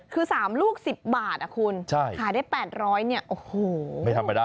คือ๓ลูก๑๐บาทขายได้๘๐๐บาทโอ้โห